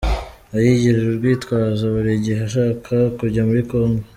Ayigira urwitwazo buri gihe ashaka kujya muri Congo.